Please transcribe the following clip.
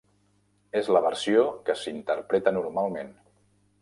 És la versió que s'interpreta normalment.